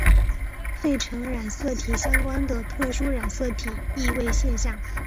费城染色体相关的特殊染色体易位现象。